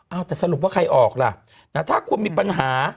เอาแต่สรุปว่าใครออกล่ะถ้าคุณมีปัญหา